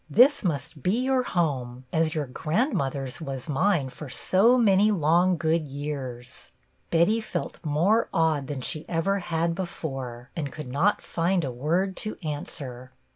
This must be your home, as your grandmother's was mine for so many long, good years." Betty felt more awed than she ever had before, and could not find a word to answer.